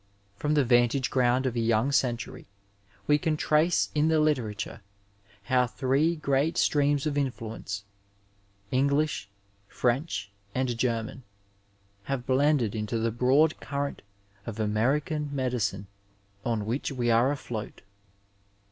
From the vantage ground of a young century we can trace in the literature how three great streams of influence — ^English, French and Gemuin— have blended into the broad current of American medicine on which we are afloat.